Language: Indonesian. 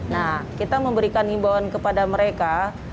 nah kita memberikan himbauan kepada mereka